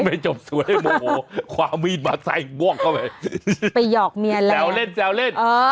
ไม่จบสวยเลยโมโหความมีดมาใส่บ้วงเข้าไปไปหยอกเมียแล้วแซวเล่นแซวเล่น